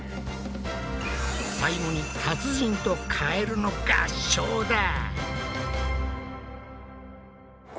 最後に達人とカエルの合唱だ！